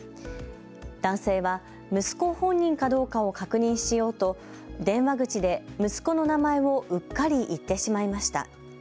男性は息子本人かどうかを確認しようと電話口で息子の名前をうっかり言ってしまいました。